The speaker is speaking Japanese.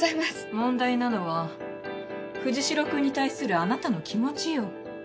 問題なのは藤代くんに対するあなたの気持ちよ。